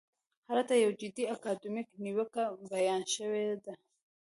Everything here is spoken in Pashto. هلته یوه جدي اکاډمیکه نیوکه بیان شوې ده.